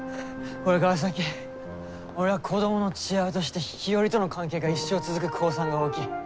これから先俺は子どもの父親として日和との関係が一生続く公算が大きい。